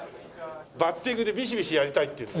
バッティングでビシビシやりたいっていうんで。